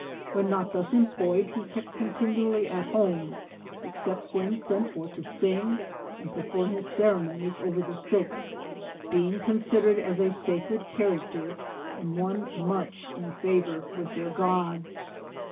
When not thus em ployed, he kept continually at home, except when sent for to sing and perform his ceremonies over the sick, being considered as a sacred character, and one much in favouir with their gods.